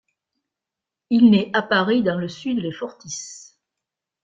Il nait à Paris dans le sur les Fortifs.